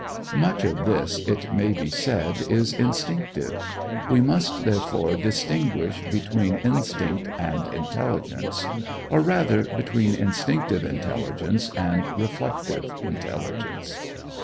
Much of this, it may be said, is instinctive. We must therefore distinguish between Instinct and Intelligence; or, rather, between instinctive intelligence and reflective intelligence.